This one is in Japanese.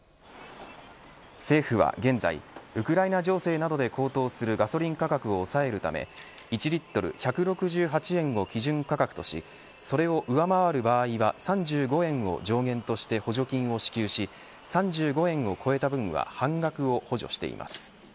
政府は現在ウクライナ情勢などで高騰するガソリン価格を抑えるため１リットル１６８円を基準価格としそれを上回る場合は３５円を上限として補助金を支給し３５円を超えた分は半額を補助しています。